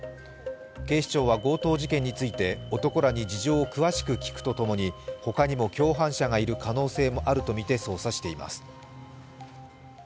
警視庁は強盗事件について男らに事情を詳しく聴くとともに外にも共犯者がいる可能性があるとみて捜査しています。